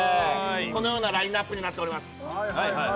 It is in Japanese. このようなラインナップになっております